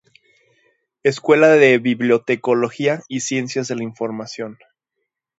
Escuela de Bibliotecología y Ciencias de la Información.